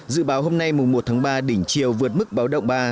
dự báo hôm nay một tháng ba đỉnh chiều vượt mức báo động ba